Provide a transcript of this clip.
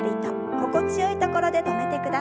心地よいところで止めてください。